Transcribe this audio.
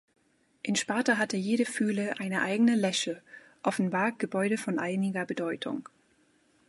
In Sparta hatte jede Phyle eine eigene "Lesche", offenbar Gebäude von einiger Bedeutung.